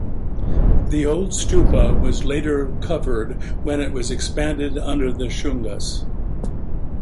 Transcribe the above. The old stupa was later covered when it was expanded under the Shungas.